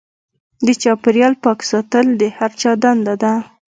د چاپیریال پاک ساتل د هر چا دنده ده.